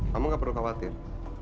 kamu nggak perlu khawatir